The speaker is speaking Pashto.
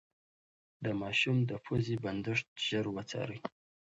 د ماشوم د پوزې بندښت ژر وڅارئ.